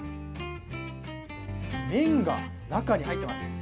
麺が中に入っています。